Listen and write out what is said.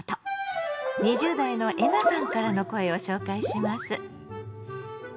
２０代のえなさんからの声を紹介します。